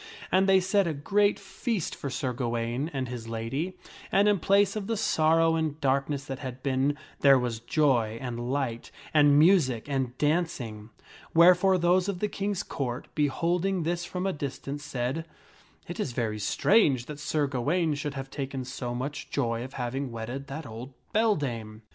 And 1% %?' they set a great feast for Sir Gawaine and his lady, and in sreat re J icin s place of the sorrow and darkness that had been, there was joy and light, and music and singing ; wherefore those of the King's Court, beholding this from a distance, said, " It is very strange that Sir Gawaine should have taken so much joy of having wedded that old beldame."